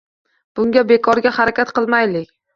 Bunga bekorga harakat qilmaylik.